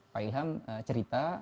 pak ilham cerita